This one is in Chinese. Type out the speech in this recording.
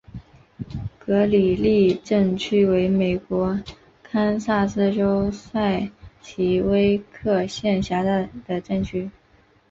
格里利镇区为美国堪萨斯州塞奇威克县辖下的镇区。